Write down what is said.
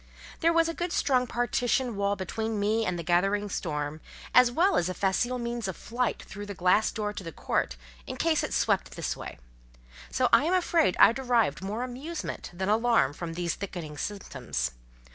There was a good strong partition wall between me and the gathering storm, as well as a facile means of flight through the glass door to the court, in case it swept this way; so I am afraid I derived more amusement than alarm from these thickening symptoms.